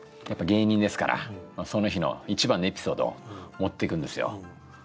やっぱ芸人ですからその日の一番のエピソードを持っていくんですよ。